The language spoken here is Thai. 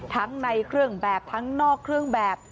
ทั้งในเครื่องแบบทั้งนอกเครื่องแบบ